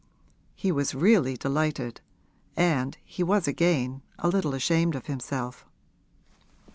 He was really delighted, and he was again a little ashamed of himself.